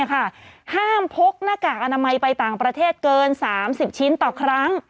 ห้ามพกหน้ากากอนามัยไปต่างประเทศเกิน๓๐ชิ้นต่อครั้ง